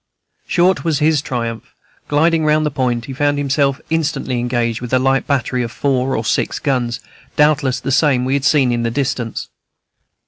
Short was his triumph. Gliding round the point, he found himself instantly engaged with a light battery of four or six guns, doubtless the same we had seen in the distance.